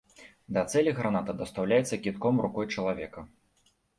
Да цэлі граната дастаўляецца кідком рукой чалавека.